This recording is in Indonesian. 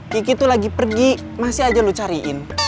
kiki tuh lagi pergi masih aja lu cariin